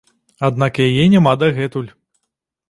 Аднак яе няма дагэтуль.